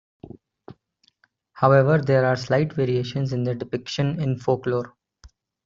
However, there are slight variations in their depictions in folklore.